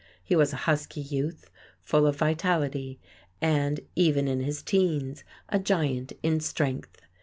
He was a husky youth, full of vitality and, even in his teens, a giant in strength.